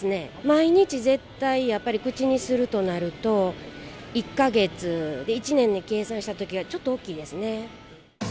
毎日絶対、やっぱり口にするとなると、１か月、１年で計算したときは、ちょっと大きいですね。